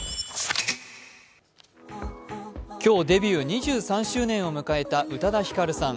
今日デビュー２３周年を迎えた宇多田ヒカルさん。